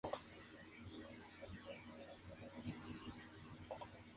El hotel está rodeado de jardines.